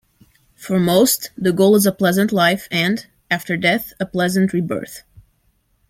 For most, the goal is a pleasant life and, after death, a pleasant rebirth.